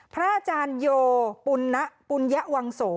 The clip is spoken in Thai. พระอาจารยโหปุณณะพุญญะวังโส